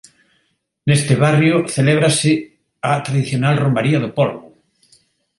Neste barrio celébrase a tradicional Romaría do Polbo.